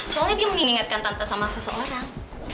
soalnya dia mengingatkan tante sama seseorang